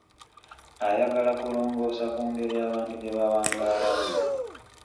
Ayagala kulongoosa ku ngeri abantu gye bawangaalamu.